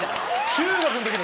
中学の時の？